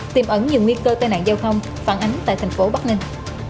tìm ẩn nhiều nguy cơ tai nạn giao thông phản ánh tại thành phố bắc ninh